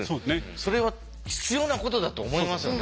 それは必要なことだと思いますよね。